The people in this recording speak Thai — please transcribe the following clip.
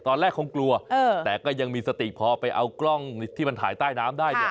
ตอนแรกคงกลัวแต่ก็ยังมีสติพอไปเอากล้องที่มันถ่ายใต้น้ำได้เนี่ย